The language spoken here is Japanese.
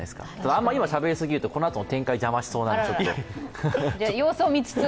あんまりしゃべりすぎるとこのあとの展開を邪魔しそうなので。